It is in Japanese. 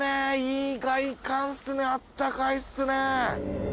いい外観っすねあったかいっすね。